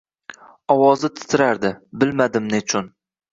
Ovozi titrardi — bilmadim nechun?